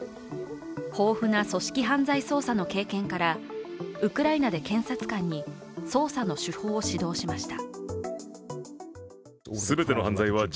豊富な組織犯罪捜査の経験からウクライナで検察官に捜査の手法を指導しました。